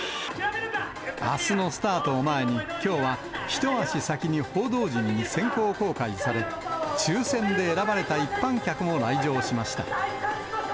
あすのスタートを前に、きょうは一足先に報道陣に先行公開され、抽せんで選ばれた一般客も来場しました。